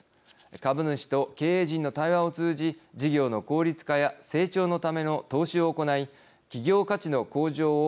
株主と経営陣の対話を通じ事業の効率化や成長のための投資を行い企業価値の向上を